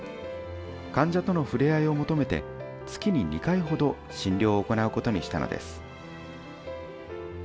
患者との触れ合いを求めて、月に２回ほど、診療を行うことにしたのです。